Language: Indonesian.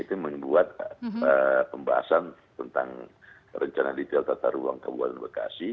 itu membuat pembahasan tentang rencana detail tata ruang kabupaten bekasi